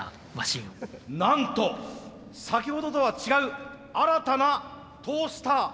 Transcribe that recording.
なんと先ほどとは違う新たなトースター。